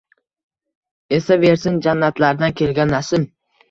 Esaversin jannatlardan kelgan nasim